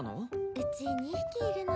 うち２匹いるの。